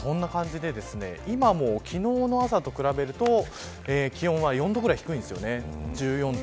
そんな感じで今も昨日の朝と比べると気温は４度ぐらい低いんですよね。